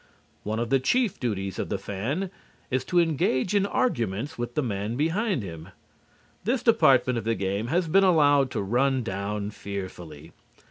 One of the chief duties of the fan is to engage in arguments with the man behind him. This department of the game has been allowed to run down fearfully.